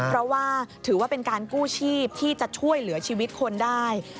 เพราะว่าถือว่าเป็นการกู้ชีพที่จะช่วยเหลือชีวิตคนได้